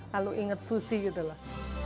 kalau inget susi gitu loh